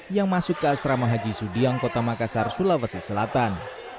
yang masuk ke asrama haji sudiang kota makassar sulawesi selatan